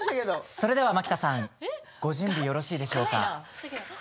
それでは蒔田さんご準備よろしいでしょうか。